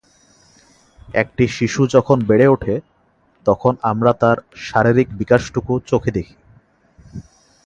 একটি শিশু যখন বেড়ে ওঠে, তখন আমরা তার শারীরিক বিকাশটুকু চোখে দেখি।